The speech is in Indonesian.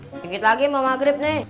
sedikit lagi mau maghrib nih